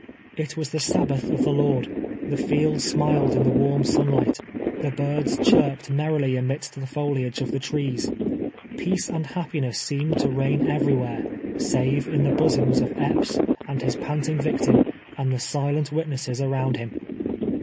It was the Sabbath of the Lord. The fields smiled in the warm sunlight — the birds chirped merrily amidst the foliage of the trees — peace and happiness seemed to reign everywhere, save in the bosoms of Epps and his panting victim and the silent witnesses around him.